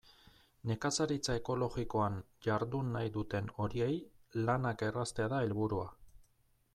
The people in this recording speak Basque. Nekazaritza ekologikoan jardun nahi duten horiei lanak erraztea da helburua.